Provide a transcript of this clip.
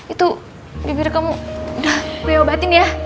itu bibir kamu udah gue obatin ya